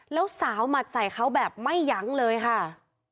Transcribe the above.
แล้วสาวหมัดใส่เขาแบบไม่ยั้งเลยค่ะ